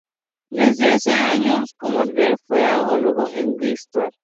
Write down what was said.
Desde hace algunos años "Commander" fue homologado por Wizards.